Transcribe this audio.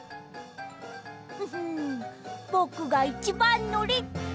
ふふんぼくがいちばんのりっと！